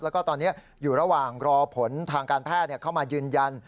แล้วก็ตอนนี้อยู่ระหว่างรอผลทางการแพทย์เข้ามายืนยัน